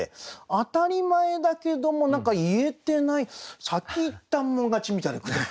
当たり前だけども何か言えてない先言ったもん勝ちみたいな句だったという。